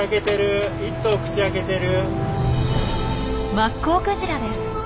マッコウクジラです。